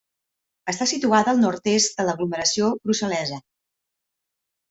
Està situada al nord-est de l'aglomeració brussel·lesa.